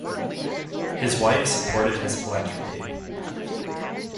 His wife supported his philanthropy.